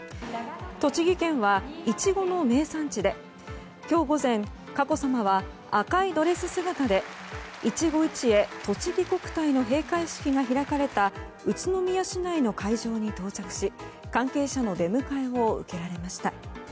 栃木県はイチゴの名産地で今日午前佳子さまは赤いドレス姿でいちご一会とちぎ国体の閉会式が開かれた宇都宮市内の会場に到着し関係者の出迎えを受けられました。